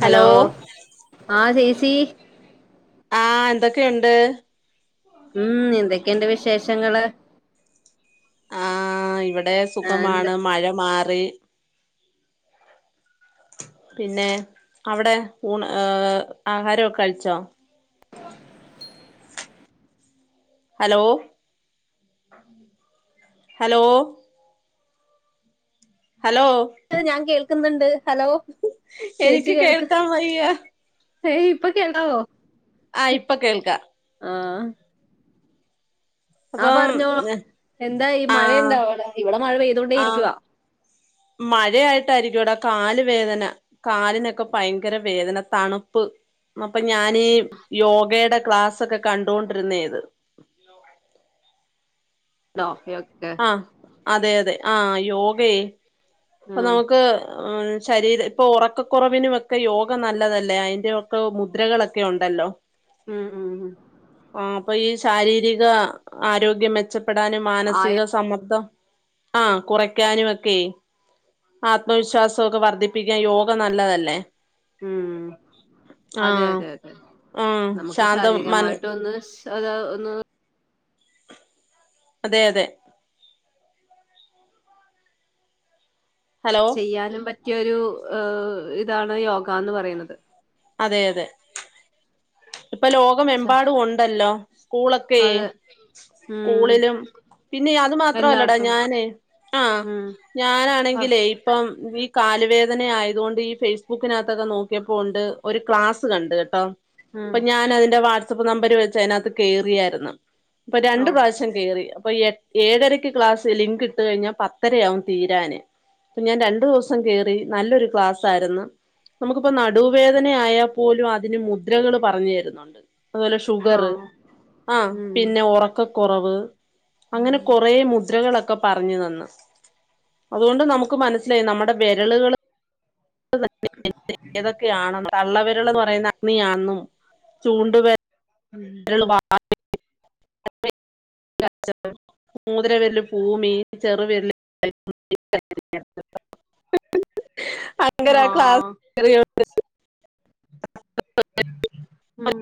Hello ആ ചേച്ചി ആ എന്തൊക്കെയുണ്ട് ഉം എന്തൊക്കെണ്ട് വിശേഷങ്ങള് ആ ഇവിടെ ആ, എന്താ സുഖമാണ് മഴ മാറി പിന്നെ അവിടെ ഊണ് ഏ ആഹാരൊക്കഴിച്ചോ ഹലോ ഹലോ ഹലോ ക്ക്ന്ന്ണ്ട് ഹലോ ചേച്ചി എനിക്ക് കേൾക്ക് കേൾക്കാൻ വയ്യ ഏയ് ഇപ്പൊ കേൾക്കാവോ ആ ഇപ്പൊ കേൾക്കാ ആ ആ അപ്പം പറഞ്ഞോ എന്തായി ആഹ് മഴയുണ്ടോ അവിടെ ഇവിടെ മഴ പെയ്തോണ്ടേ രിക്ക മഴയായിട്ടായിരിക്കു ടാ കാല് വേദന കാലിനൊക്കെ ഭയങ്കര വേദന തണുപ്പ് അപ്പൊ ഞാനീ യോഗയുടെ ക്ലാസൊക്കെ കണ്ടൊണ്ടിരുന്നെത് ആഹ് [unintelligible] അതെ അതെ ആ യോഗെ പ്പോ ഉം, നമുക്ക് ശരീര പ്പൊ ഉറക്കക്കുറവിനൊക്കെ യോഗ നല്ലതല്ലേ അതിന്റെയൊക്കെ മുദ്രകളൊക്കെ ഒണ്ടല്ലോ ഉം ഉം ഉം ആ അപ്പൊ ഈ ശാരീരിക ആരോഗ്യം മെച്ചപ്പെടാനും ആയ മാനസിക സമ്മർദ്ദം ആ കുറയ്ക്കാനൊക്കെ ആത്മവിശ്വാസൊക്കെ വർധിപ്പിക്കാൻ യോഗ നല്ലതല്ലേ ഉം അതെ ആഹ് അതെ അതെ ആഹ് നമുക്ക് ശാന്തം മന ശാരീരികമായിട്ടൊന്ന് അത ഒന്ന് അതെ അതെ ഹലോ ചെയ്യാനും പറ്റിയൊരു ഇതാണ് യോഗന്ന് പറയുന്നത് അതെ അതെ ഇപ്പൊ ഛ, ലോകമെമ്പാടും ഒണ്ടല്ലോ സ്കൂളൊക്കെ അതെ ഉം സ്കൂളിലും പിന്നെ അത് മാത്രല്ലടാ എല്ലായിടത്തും ഞാന് ആ ഉം പറ- ഞാനാണെങ്കിലേ ഇപ്പം കാലുവേദന ആയതോണ്ട് ഈ ഫേസ്ബുക്കിനകത്തൊക്കെ നോക്കിയപ്പോണ്ട് ഒരു ക്ലാസ്സ് കണ്ട് കെട്ടോ ഉം പ്പൊ ഞാനതിന്റെ വാട്സപ്പ് നമ്പര് വെച്ച് അതിനകത്ത് കേറിയായിരുന്നു ഇപ്പൊ ഓ രണ്ട് പ്രാശ്യം കേറി അപ്പൊ എ ഏഴരയ്ക്ക് ക്ലാസ് ലിങ്കിട്ട് കഴിഞ്ഞാ പത്തരയാവും തീരാന് അപ്പൊ ഞാൻ രണ്ടു ദിവസം കേറി നല്ലൊരു ക്ലാസ്സായിരുന്നു നമുക്കിപ്പോ നടുവേദന ആയാൽപ്പോലും അതിന് മുദ്രകള് പറഞ്ഞു തരുന്നുണ്ട് അതുപോലെ ഷുഗർ ആഹ് ആ ഉം പിന്നെ ഉറക്കക്കുറവ് അങ്ങനെ കൊറേ മുദ്രകളൊ പറഞ്ഞു തന്ന് അതുകൊണ്ട് നമുക്ക് മനസിലായി നമ്മുടെ വെരളുകൾ [unintelligible] ഏതൊക്കെയാണന്ന് തള്ളവരൾന്ന് പറയുന്ന അഗ്നിയാന്നും [unintelligible] ചൂണ്ടു വെ രള് വ [unintelligible] [unintelligible] [unintelligible] മൂതിര വെല്ല് ഭൂമി ചെറ് വില്ല് [unintelligible] [unintelligible] അങ്ങനെ ആഹ് [unintelligible] [unintelligible] ഉം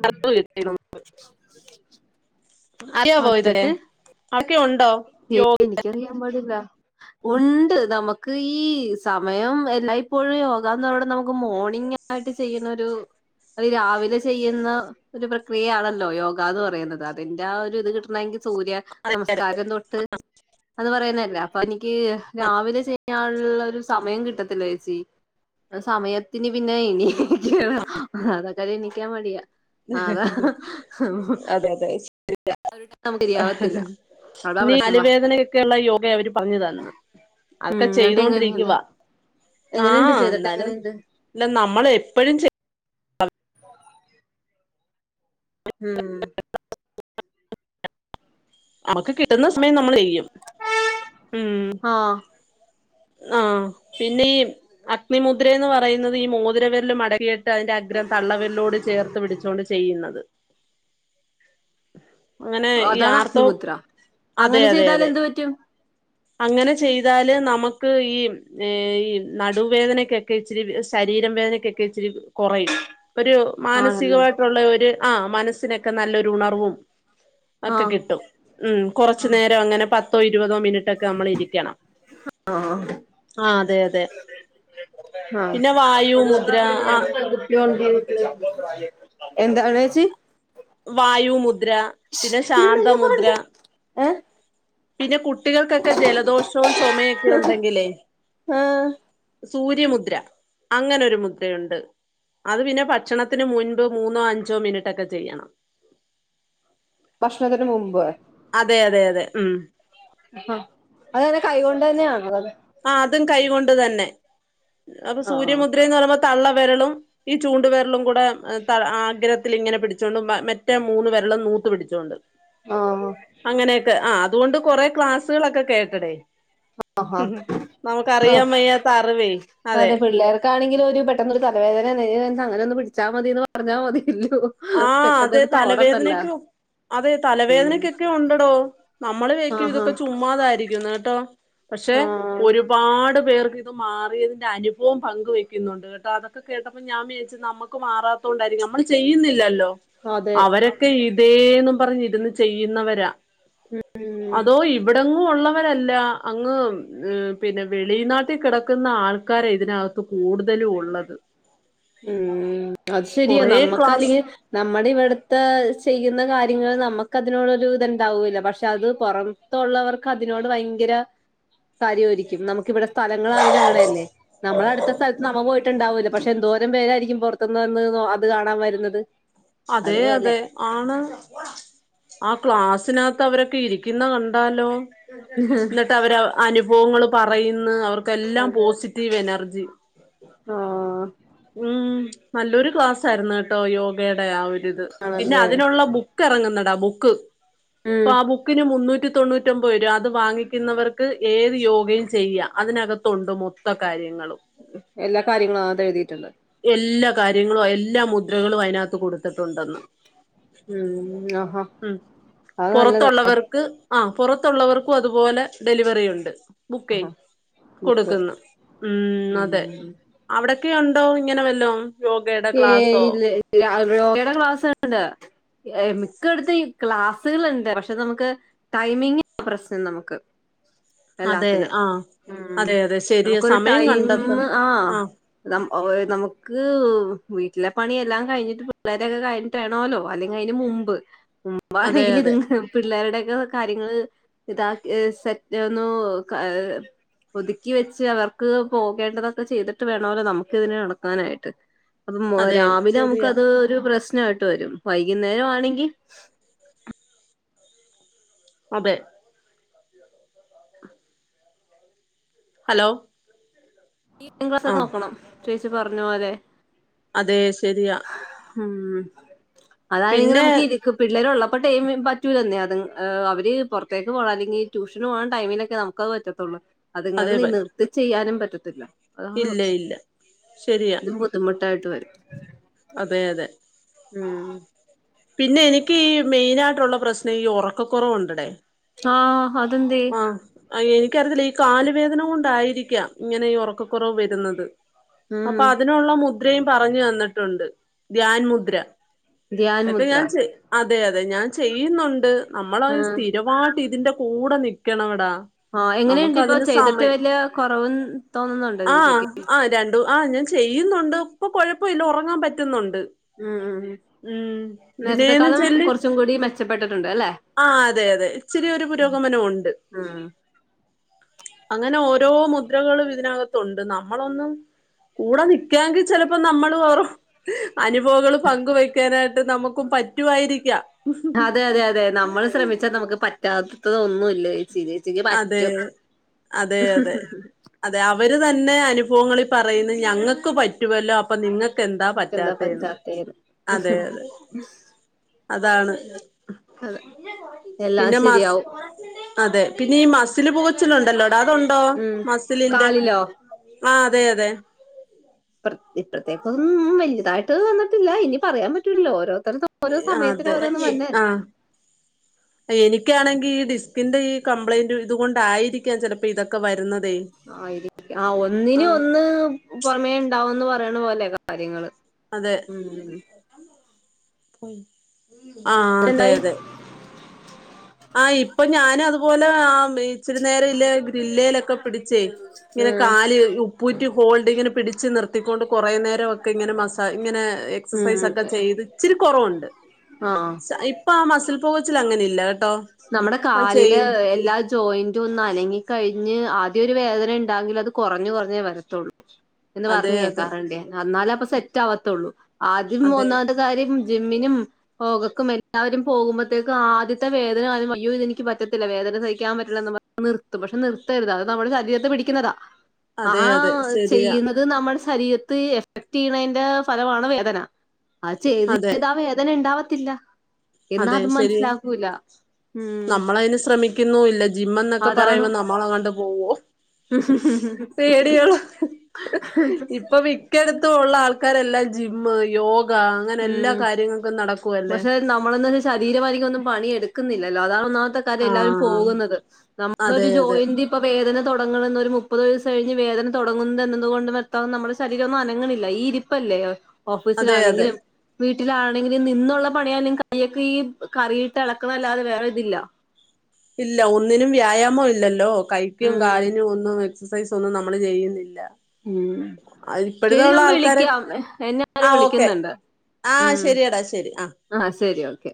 അറിയാവോ ഇത് എന്നിട്ട് ഒക്കെ ഒണ്ടോ യോഗ എനിക്കറിയാൻ ഉണ്ട് നമുക്ക് ഈ സമയം എല്ലായ്പ്പോഴും യോഗാന്ന് നമുക്ക് മോർണിംഗായിട്ട് ചെയ്യുന്നൊരു അതി രാവിലെ ചെയ്യുന്ന ഒരു പ്രക്രിയയാണല്ലോ യോഗാന്ന് പറയുന്നത് അതിന്റെ ആ ഒരു കിട്ടണെങ്കി സൂര്യ നമസ്കാരം തൊട്ട് അത് പറയാനല്ല അഗ്നീ [inaudible] ക്ക് രാവി [unintelligible] ഞാനുള്ള ഒരു സമയം കിട്ടത്തില്ല ചേച്ചി സമയത്തിന് പിന്നെ ഇനി അതൊക്കെനിക്കാൻ മടിയാ അതാ [unintelligible] ഹ് ശരിയാവത്തില്ല ഹ് അതാ [unintelligible] പ്രശ്നം വാ ലുവേദനയൊക്കെയുള്ള യോഗയ അവര് പറഞ്ഞു തന്ന് അക്കെ ഉം എന്നിട്ട് എങ്ങനെയുണ്ട് ചെയ്തോണ്ടിരിക്കുവാ ആ എങ്ങനെയുണ്ട് ചെയ്തിട്ട് ന്നാലും എങ്ങനെയുണ്ട് ഇല്ല നമ്മെപ്പ [unintelligible] ഉം അമക്ക് കിട്ടുന്ന സമയം നമ്മള് യ്യും ഉം ആഹ് ആ പിന്നെ ഈ അഗ്നിമുദ്രേന്ന് പറയുന്നത് ഈ മോതിരവെരല് മടക്കെ ട്ട് അതിന്റഗ്രം തള്ളവിരലോട് ചേർത്ത് പിടിച്ചോണ്ട് ചെയ്യുന്നത് അങ്ങനെ ഈ അതാണ് ആർത്തവ അഗ്നിമുദ്ര അതെ അങ്ങനെ അതെ അതെ ചെയ്താലെന്ത് പറ്റും അങ്ങനെ ചെയ്താല് നമക്ക് ഈ ഏ ഈ നടുവേദനക്കെ ക്കെ ഇച്ചിരി ശരീരം വേദനക്കെക്കെ ഇച്ചിരി കൊറയും ഒരു ആണല്ലേ മാനസികവായിട്ടൊള്ളയൊരു ആ മനസ്സിനെക്കെ നല്ലൊരുണർവും ഒക്കെ ആഹ് കിട്ടും ഉം കൊറച്ചുനേരവങ്ങനെ പത്തോ ഇരുപതോ മിനിറ്റ് ട്ടോക്കെ അമ്മള് ഇരിക്കണം ആഹ് ആ അതെയതെ ആ ആഹ് എന്താണേച്ചി വായുമുദ്ര പിന്നെ ശാന്തമുദ്ര എ പിന്നെ കുട്ടികൾക്കെക്കെ ജലദോഷോം ചൊമേയൊക്കെ ഒണ്ടെങ്കിലേ ആഹ് സൂര്യമുദ്ര അങ്ങനൊരു മുദ്രയുണ്ട് അത് പിന്നെ ഭക്ഷണത്തിന് മുൻപ് മൂന്നോ അഞ്ചോ മിനിട്ടൊക്കെ ചെയ്യണം ഭക്ഷണത്തിന് മുമ്പ് അതെയതെയതെ ഉം അ അതന്നെ കൈകൊണ്ട് തന്നെയാണൊത് ആ അതും കൈകൊണ്ട് തന്നെ അപ്പൊ ആഹ് സൂര്യമുദ്രേന്ന് [unintelligible] തള്ള വെരളും ഈ ചൂണ്ട് വെരളുംകുടെ ആഗ്രത്തില്ങ്ങനെ പിടിച്ചോണ്ട് മറ്റെ മൂന്ന് വെര ളും നൂത്ത് പിടിച്ചോണ്ട് ആഹ് അങ്ങനെയെക്കെ അ അതുകൊണ്ട് കൊറെ ക്ലാസ്സുകളൊക്കെ കേട്ടടെ അഹാ അ വയ്യാത്ത അറിവേ അതെ പിള്ളേർക്കാണെങ്കിലു ഒരു പെട്ടെന്നൊരു തലവേദന [unintelligible] അങ്ങനൊന്ന് പിടിച്ചാമതീന്ന് പറഞ്ഞാമതി ആ അതെ തലവേദനക്കു അതെ ഉം തലവേദനക്കെക്കെ ഒണ്ടടോ നമ്മള് വെക്കും ആഹാ ഇതൊക്കെ ചുമ്മാതായിരിക്കുന്ന് ട്ടോ പക്ഷെ ആഹ് ഒരുപാട് പേർക്ക് ഇത് മാറിയതിന്റെ അനുഭവം പങ്ക് വെക്കുന്നുണ്ട് കേട്ടോ അതൊക്കെ കേട്ടപ്പോ ഞാൻ വിയാരിച്ചു നമ്മക്ക് മാറാത്തോ ണ്ടായിര് നമ്മൾ ചെയ്യുന്നില്ല ല്ലല്ലോ അതെ അവരൊക്കെ ഇതേന്ന് പറഞ് ഇരുന്ന് ചെയ്യുന്നവരാ ഉം അതോ ഇവിടെങ്ങും ഉള്ള രല്ല അങ് പിന്നെ വെളി നാട്ടി കിടക്കുന്ന ആൾക്കാര് ഇതിനകത്ത് കൂടുത ലു ഉള്ളത് ഉം അത് ശെരിയ കൊറേ നമ്മക്ക് ക്ലാസ് അല്ലെങ്കിൽ നമ്മടെ ഇവിട്ത്തെ ചെയ്യുന്ന കാര്യങ്ങൾ നമ്മക്ക് അതിനോടോരുത് ണ്ടാവൂല പക്ഷെ അത് പോറമ് ത്തള്ളവർക്ക് അതിനോട് ഭയങ്കര കാര്യയിരിക്കും നമുക്കിവിടെ സ്ഥലങ്ങളണെലും അങ്ങനെയല്ലേ നമ്മള അടുത്ത സ്ഥലത്ത് നമ്മ പോയിട്ടുണ്ടാവൂല പക്ഷെ എന്തോര് പേരായിരിക്കും പുറത്ത്ന്ന് വന്ന്ന്നോ അത് കാണാൻ വരുന്നത് അതെ അതുപോലെ അതെ ആണ് അ ക്ലാസിനകത് അവരൊക്കെ ഇരിക്കുന്ന കണ്ടാലോ ഇന്നട്ട് അവര് അനുഭവങ്ങൾ പറയുന്ന് അവർക്ക് ക്കെല്ലാം അതെ പോസിറ്റീവ് എനർജി ആഹ് ഉം നല്ലൊരു ക്ലാസായിരുന്ന് കേട്ടോ യോഗേടെ ആ ഒരിത് പിന്നെ ആണല്ലേ അതിനുള്ള ബുക്ക് ക്ക് എറങ്ങുന്നഡാ ബുക്ക് പ്പോ ഉം ആ ബുക്കിന് മുന്നൂറ്റ നൂറ്റി തൊണ്ണൂറ്റൊൻമ്പത് രുഅ അത് വാങ്ങിക്കുന്നവർക്ക് ഏത് യോഗയും ചെയ്യ അതിനകത്തുണ്ട് മൊത്ത കാര്യം എല്ലാ കാര്യങ്ങളും അത് എഴുതിട്ടുണ്ട്. എല്ലാ കാര്യങ്ങളും എല്ലാ മുദ്രകളും അതിനകത്ത് കൊടുത്തിട്ടുണ്ടെന്ന്. ഉം ആഹാ ഉം അത് നല്ലതാ പുറത്തുള്ളവർക്ക് ആ പുറത്തുള്ളവർക്കും അതുപോലെ ഡെലിവറി ഉണ്ട്. ബുക്കെയ് ആഹാ ബുക്ക് കൊടുക്കുന്ന് ഉം അതെ അവിടൊക്കെ ണ്ടോ ഇങ്ങനെ വല്ലോം? യോഗയുടെ ഏ ക്ലാസ്സോ ഇല്ല ഇല്ല [unintelligible] എ മിക്കയിടുത്തും ക്ലാസുകളുണ്ട്. പക്ഷെ നമുക്ക് ടൈമിങ് പ്രശ്നം നമുക്ക്. അതെ എല്ലാത്തിനും ആ ഉം അതെ അതെ ശരിയ നമ്മുക്ക് ഒരു സമയം ടൈം കണ്ടെത്തും ആ ന ഓയ് നമുക്ക് വീട്ടിലെ പണിയെല്ലാം കഴിഞ്ഞിട്ട് പിള്ളേരൊക്കെ കഴിഞ്ഞിട്ടേണോല്ലോ അല്ലെങ്കി അയിനെ മുമ്പ് അതെ മുമ്പാണെങ്കിൽ അതെ ഇതുങ്ങള പിള്ളേരുടെ കാര്യങ്ങള് ഇതാ സെറ്റ് ഒന്നു ക ഒതുക്കി വെച്ച് അവർക്ക് പോകേണ്ടതൊക്കെ ചെയ്തിട്ട് വേണോല്ലോ നമുക്ക് ഇതിന് നടക്കാനായിട്ട്. അപ്പം അതെ രാവിലെ നമുക്ക് ശരിയാ അത് ഒരു പ്രശ്ന നായ്ട്ട് വരും വൈകുന്നേരം ആണെങ്കി അതെ ഹലോ ഈവനിംഗ് ക്ലാസ് ആ ഒക്കെ നോക്കണം. ചേച്ചി പറഞ്ഞ പോലെ. അതെ ശരിയാ. ഉം അതാണെങ്കി പിന്നെ നമുക്ക് ഇരുക്ക് പിള്ളേരൊള്ളപ്പ ഇപ്പൊ ടൈം പറ്റൂലന്നെ അത് അവര് പുറത്തേക്ക് പോണം അല്ലെങ്കിൽ ട്യൂഷന് പോകാൻ ടൈമിലൊക്കെ നമുക്ക് അത് പറ്റത്തെള്ളു. അതുങ്ങളെ അതെ നി പറ്റും നിർത്തി ചെയ്യാനും പറ്റത്തില്ല അതാണ് ഇല്ല പ്രശ്നം ഇല്ല ശരിയാ ബുദ്ധിമുട്ട് ട്ടായിട്ട് വരും. അതെ അതെ ഉം പിന്നെ എനിക്ക് ഈ മെയിനായിട്ടുള്ള പ്രശ്നം ഈ ഉറക്കക്കുറവുണ്ടടേ. ആ അത് എന്തേ? എനിക്കറിത്തില്ല ഈ കാലുവേദന കൊണ്ടായിരിക്കാം ഇങ്ങനെ ഈ ഉറക്കക്കുറവ് വരുന്നത്. ഉം അപ്പൊ അതിനുള്ള മുദ്രയും പറഞ്ഞു തന്നിട്ടുണ്ട് ധ്യാൻ മുദ്ര. ധ്യാൻ എന്റെ മുദ്ര ഞാൻ ചെയ് അതെ അതെ ഞാൻ ചെയ്യുന്നുണ്ട് നമ്മൾ അത് ഉം സ്ഥിരവായിട്ട് ഇതിന്റെ കൂടെ നിക്കണോടാ. ആ എങ്ങനെയുണ്ട് ഇപ്പൊ ചെയ്തിട്ട് വലിയ കുറവും തോന്നുന്നുണ്ടോ ആ ചേച്ചിക്ക്? ആ രണ്ടു ആ ഞാൻ ചെയ്യുന്നുണ്ട് ഇപ്പൊ കുഴപ്പവില്ല ഉറങ്ങാൻ പറ്റുന്നുണ്ട്. ഉം ഉം ഉം ഇതിനേനു നേരത്തെക്കാളും ചെല്ലി കുറച്ചും കൂടി മെച്ചപ്പെട്ടിട്ടുണ്ട് അല്ലെ ആ അതെ അതെ ഇച്ചരി ഒരു പുരോഗമനം ഉണ്ട് ഉം അങ്ങനെ ഓ ഓരോ മുദ്രകളും ഇതിനകത്തുണ്ട് നമ്മളൊന്നും കൂടെ നിക്കാങ്കിൽ ചിലപ്പോ നമ്മള് അവർ അനുഭവങ്ങള് പങ്ക് വെക്കാനായിട്ട് നമുക്കും പറ്റുമായിരിക്കാം. അതെ അതെ അതെ നമ്മൾ ശ്രമിച്ചാ നമുക്ക് പറ്റാത്തത് ഒന്നുമില്ല ചേ അതെ അതെ അതെ അതെ അവര് തന്നെ അനുഭവങ്ങളിൽ പറയുന്നത് ഞങ്ങൾക്ക് പറ്റുമല്ലോ അപ്പൊ നിങ്ങൾക്ക് എന്താ പറ്റാത്തെന്ന്. അതെ അതെ അതാണ്. അതെ എല്ലാം പിന്നെ മസ് ശരിയാവും. അതെ പിന്നെ ഈ മസില് പൊകച്ചിലുണ്ടല്ലോടാ അതുണ്ടോ? ഉം. മസിലിന്റെ? കാലിലോ? ആ അതെ അതെ ഇപ്പത്തേക്കൊ ഒന്നും വലിയതായിട്ട് വന്നിട്ടില്ല ഇനി പറയാൻ പറ്റൂല്ലോ ഓരോ അത്ര ഓരോ സമയത്തിനു അതെ ഓരോന്നും വന്നല്ലേ. എനിക്കാണേക്കില് ഈ ഡിസ്ക്കിന്റെ ഈ കമ്ബ്ലൈൻഡ് ഉള്ളത് കൊണ്ട് ആയിരിക്കാം ചിലപ്പോൾ ഇതൊക്കെ വരുന്നത് ആയിരിക്കാം ആ ഒന്നിന്ഒന്ന് പുറമേണ്ടാവന്ന്പറയണ പോലെകാര്യങ്ങള് ഉം ആഹ എന്നിട്ടെന്തായി? അതെഅതെ ആ ഇപ്പൊ ഞാനാത്പോലെ ആ ഇച്ചിരിനേരം ല്ലെ ഗ്രില്ലയിലൊക്കെപിടി ച്ച് ഉം. ഇങ്ങനെകാല് ഉപ്പൂറ്റി ഹോൾഡ്ങ്ങനെ പിടിച്ച് നിർത്തിക്കൊണ്ട്കുറേ നേരോക്കെങ്ങനെ മസഇങ്ങനെ ഉം. എക്സൈസോക്കെ ചെയ്ത് ഇച്ചിരികൊറവ്ണ്ട് ആ. എപ്പോ ആ മസിൽ പോച്ചിൽ അങ്ങനെഇല്ല നമ്മുടെകാലില് എല്ലാ ജോയിന്റും ഒന്ന്അനങ്ങി കഴി ഞ്ഞ് ആദ്യം ഒരുവേദനണ്ടാങ്കിൽഅത് കുറഞ്ഞ്കുറഞ്ഞേവരത്തെള്ളൂ അതെ എന്ന്പറഞ്ഞ് അതെ കേക്കാറുണ്ട് എന്നാലപ്പൊ സെറ്റ്ആവാത്തുള്ളൂ അതെ ആദ്യംമൂന്നാമത്തെകാര്യം ജിമ്മിനും പോകക്ക്മിട്ടവരും പോകുമ്പോഴത്തേക്കുംആദ്യത്തെ വേദ അതിനുംയ്യോ ഇതനിക്ക്പറ്റത്തില്ല വേദനസഹിക്കാൻപറ്റില്ല നിർത്തും പക്ഷെനിർത്തരുത് അതമ്മുടെ ശരീരത്തെപിടിക്കുന്നതാ അതെ ആഹാ അതെ ശരിയാ ചെയ്യുന്നത് നമ്മൾ ശരീരത്ത് എഫക്ട് ചെയ്യണതിന്റെ ഫലമാണ് വേദന അ ചെയ്ത് അതെ ചെയത് ആ വേദനഉണ്ടാവാ ത്തില്ല അതെ എന്നാഅത് ശരിയാ മനസ്സിലാക്കൂല ഉം ശ്രമിക്കുന്നൂല്ല ജിമ്മന്ന്ക്കെ അതാണ് പറയ്ണനമ്മളണ്ട്പോവും പേടിയളോ ഇപ്പമിക്കടുത്ത് ഉള്ളആൾക്കാരെല്ലാം ജിമ്മ്, യോഗ ഉം അങ്ങനെഎല്ലാകാര്യങ്ങൾക്കും നടക്കുവല്ലേ ശരീരമധികം ഒന്നുംപണിഎടുക്കുന്നില്ലല്ലോ അതാണ്ഒന്നാ അതേയ്ക്കാരം എല്ലാരും ആഹ് പോകുന്നത് അതെ നമ്മഒരു അതെ ജോയിന്റ് പ്പോ വേദാന തൊടങ്ങെണന്നൊരു മുപ്പത് വയസ്സ് കഴിഞ്ഞ വേദനതൊടങ്ങുൻന്നത് വ്യക്ത ശരീരഒന്ന്അനങ്ങണില്ല ഈഇരിപ്പല്ലെ ല്ലെ അതെ അതെ ഓഫീസിലാണെങ്കിലും വീട്ടിലാണെങ്കിലും നിന്നുള്ളപണിയാലുംകയ്യൊക്കെ ഈ കറിയിട്ട് ഇളക്കലല്ലാതെ വേറെതില്ല ഇല്ല ഒന്നിനുംവ്യായാമം ഇല്ലല്ലോ ഉം കൈക്കുംകാലിനുംഒന്നും എക്സസൈസൊന്നും നമ്മള്ചെയ്യുന്നില്ല ഉം ആൾക്കാര് ശെരിഞാൻവിളിക്ക്യം എന്നെര് വിളിക്കുന്നുണ്ട് ഉം ആഹശെരിയടാശരി ആ ശരി ഓക്കെ